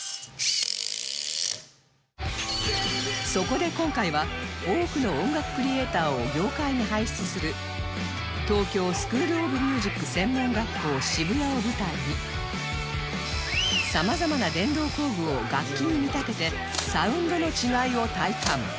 そこで今回は多くの音楽クリエイターを業界に輩出する東京スクールオブミュージック専門学校渋谷を舞台に様々な電動工具を楽器に見立ててサウンドの違いを体感